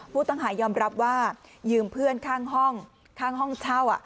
ผู้ต้องหายอมรับว่ายืมเพื่อนข้างห้องข้างห้องเช่า